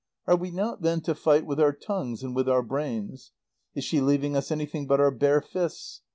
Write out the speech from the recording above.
Are we not then to fight with our tongues and with our brains? Is she leaving us anything but our bare fists?